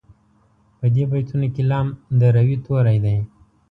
په دې بیتونو کې لام د روي توری دی.